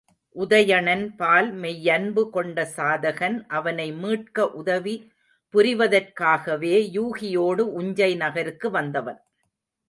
உதயணன்பால் மெய்யன்பு கொண்ட சாதகன், அவனை மீட்க உதவி புரிவதற்காகவே யூகியோடு உஞ்சை நகருக்கு வந்தவன்.